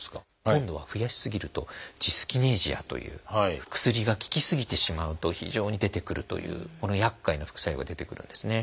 今度は増やし過ぎるとジスキネジアという薬が効き過ぎてしまうと非常に出てくるというこのやっかいな副作用が出てくるんですね。